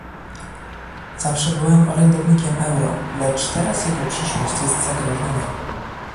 Zawsze byłem orędownikiem euro, lecz teraz jego przyszłość jest zagrożona